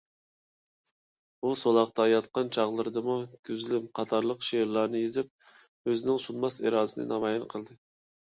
ئۇ سولاقتا ياتقان چاغلىرىدىمۇ «گۈزىلىم» قاتارلىق شېئىرلارنى يېزىپ، ئۆزىنىڭ سۇنماس ئىرادىسىنى نامايان قىلدى.